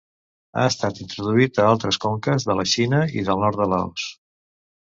Ha estat introduït a altres conques de la Xina i del nord de Laos.